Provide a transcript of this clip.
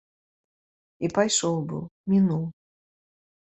І пайшоў быў, мінуў.